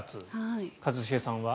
一茂さんは？